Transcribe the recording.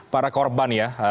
para korban ya